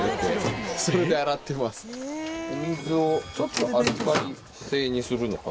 お水をちょっとアルカリ性にするのか。